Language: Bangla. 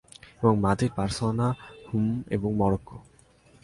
এবং মাদ্রিদ এবং বার্সেলোনা হম এবং মরক্কো।